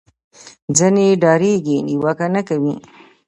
ځینې ډارېږي نیوکه نه کوي